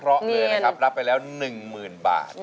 เพลงที่เจ็ดเพลงที่แปดแล้วมันจะบีบหัวใจมากกว่านี้